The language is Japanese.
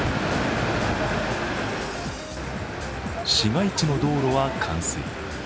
市街地の道路は冠水。